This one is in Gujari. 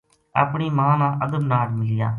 اپنی ماں نا ادب ناڑ ملیا